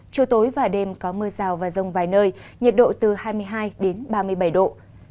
chiều tối và đêm có mưa rào và rông vài nơi nhiệt độ từ hai mươi hai đến ba mươi bảy độ